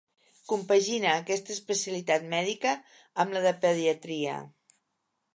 Compagina aquesta especialitat mèdica amb la de pediatria.